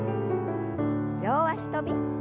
両脚跳び。